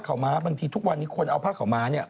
เขาก็บอกว่าทุกวันนี้คนเอาผ้าขาวไม้เนี่ย